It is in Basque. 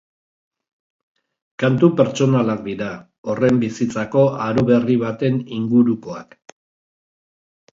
Kantu pertsonalak dira, horren bizitzako aro berri baten ingurukoak.